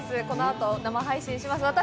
このあと、生配信します。